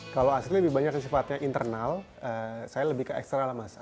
kalau asri lebih banyak sifatnya internal saya lebih ke eksternal